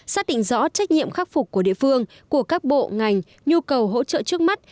xác định rõ trách nhiệm khắc phục của địa phương của các bộ ngành nhu cầu hỗ trợ trước mắt